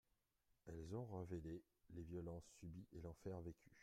Elles ont révélé les violences subies et l’enfer vécu.